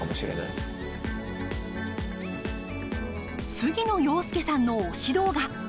杉野遥亮さんの推し動画。